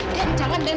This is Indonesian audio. den jangan den